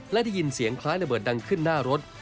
และได้ยินเสียงคล้ายระเบิดดังขึ้นหน้ารถ